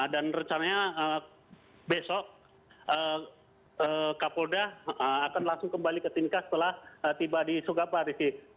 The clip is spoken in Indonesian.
dan rencananya besok kapolda akan langsung kembali ke timika setelah tiba di sugapa rizky